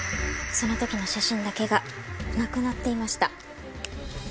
その時の写真だけがなくなっていました。